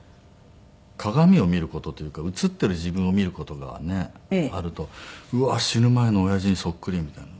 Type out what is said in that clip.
鏡を見る事というか映っている自分を見る事がねえあるとうわ死ぬ前の親父にそっくりみたいな。